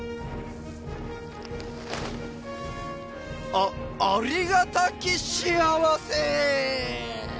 あっありがたき幸せ！